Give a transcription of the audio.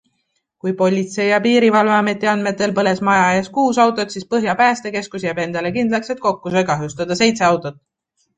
Kui politsei- ja piirivalveameti andmetel põles maja ees kuus autot, siis Põhja päästekeskus jääb endale kindlaks, et kokku sai kahjustada seitse autot.